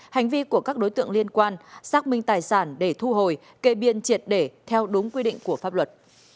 hành vi của các đối tượng liên quan xác minh tài sản để thu hồi kê biên triệt để theo đúng quy định của pháp luật